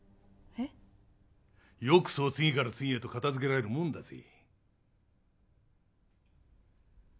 よくそう次から次へと片づけられるもんだぜ。